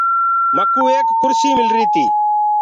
مڪوُ ايڪ ڪُرسي ملري تي۔